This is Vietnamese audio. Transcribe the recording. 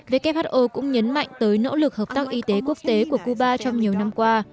who cũng nhấn mạnh tới nỗ lực hợp tác y tế quốc tế của cuba trong nhiều năm qua